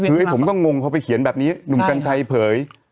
คือไอ้ผมก็งงพอไปเขียนแบบนี้หนุ่มกัญชัยเผย